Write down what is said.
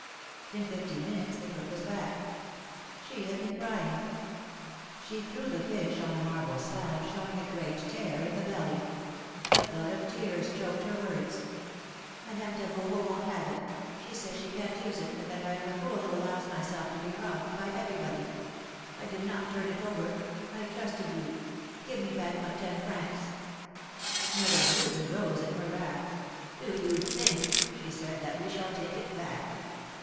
In fifteen minutes the cook was back. She had been crying. She threw the fish on the marble slab, showing a great tear in the belly. A flood of tears choked her words. " Madame Taboureau won't have it. She says she can't use it, and that I am a fool who allows myself to be robbed by everybody. I did not turn it over. I trusted you. Give me back my ten francs." Mother Mehuden rose in her wrath. ^'Do you think," she said, "that we shall take it back?